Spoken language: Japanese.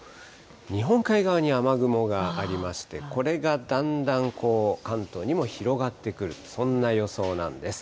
日本海側に雨雲がありまして、これがだんだん関東にも広がってくる、そんな予想なんです。